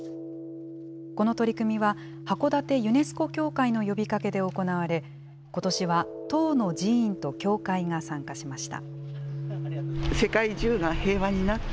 この取り組みは函館ユネスコ協会の呼びかけで行われ、ことしは１０の寺院と教会が参加しました。